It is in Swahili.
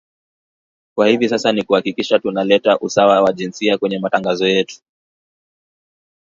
kwa hivi sasa ni kuhakikisha tuna leta usawa wa jinsia kwenye matangazo yetu